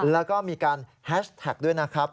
แล้วก็มีการแฮชแท็กด้วยนะครับ